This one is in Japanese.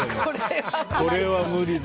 これは無理ぞ！